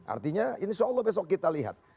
artinya insya allah besok kita lihat